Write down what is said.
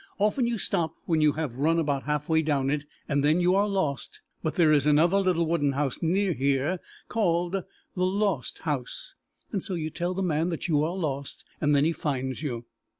Often you stop when you have run about half way down it, and then you are lost, but there is another little wooden house near here, called the Lost House, and so you tell the man that you are lost and then he finds you.